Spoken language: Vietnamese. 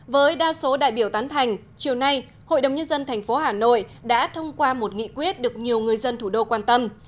với đa số đại biểu tán thành chiều nay hội đồng nhân dân tp hà nội đã thông qua một nghị quyết được nhiều người dân thủ đô quan tâm